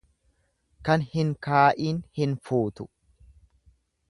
Kan hin kaa'iin hin fuutu.